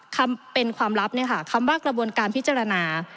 คำเป็นความลับเนี่ยค่ะคำว่ากระบวนการพิจารณา